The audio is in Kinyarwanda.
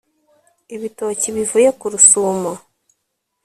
ibitoki bivuye ku rusumo,